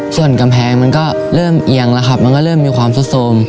ส่วนกำแพงมันก็เริ่มเอียงแล้วครับมันก็เริ่มมีความสุดโทรม